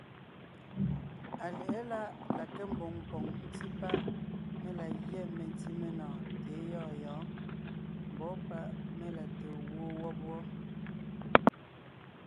Alyɛ̌ʼɛ láʼ la nke mboŋ poŋ ńtí páʼ mé la gyɛ́ mentí menɔɔn tà é gyɔ̂ɔn yɔ̌ɔn, mbɔ̌ páʼ mé la te gwoon wɔ́b wɔ́.